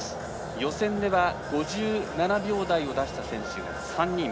予選では５７秒台を出した選手が３人。